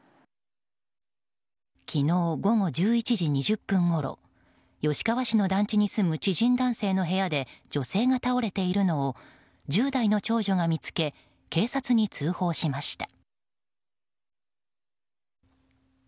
昨日午後１１時２０分ごろ吉川市の団地に住む知人男性の部屋で女性が倒れているのを１０代の長女が見つけ警察に通報しました。